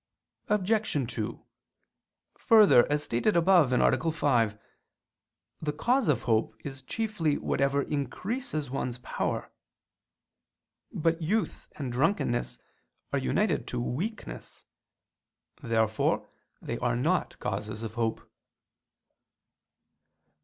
Obj. 2: Further, as stated above (A. 5), the cause of hope is chiefly whatever increases one's power. But youth and drunkenness are united to weakness. Therefore they are not causes of hope.